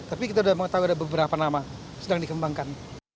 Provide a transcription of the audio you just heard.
tapi kita udah mau tahu ada beberapa nama sedang dikembangkan